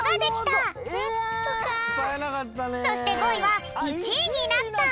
そして５いは「１いになった」。